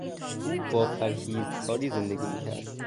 او با پرهیزکاری زندگی کرد.